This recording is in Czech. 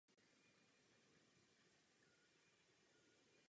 Narodil se v německém Landau in der Pfalz.